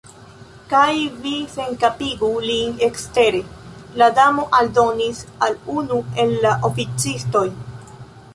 "Kaj vi senkapigu lin ekstere," la Damo aldonis al unu el la oficistoj.